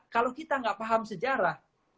kalau kita nggak paham sejarah